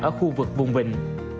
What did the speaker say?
ở khu vực vùng vịnh